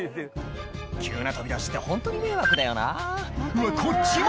急な飛び出しってホントに迷惑だよなうわこっちも！